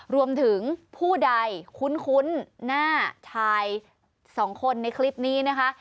ผู้ใดคุ้นหน้าชายสองคนในคลิปนี้นะคะ